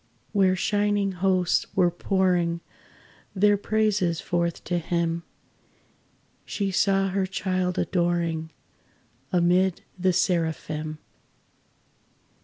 Where shining hosts were pouring Their praises forth to Him, She saw her child adoring, Amid the Seraphim.